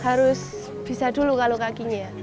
harus bisa dulu kalau kakinya